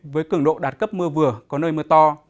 với cường độ đạt cấp mưa vừa có nơi mưa to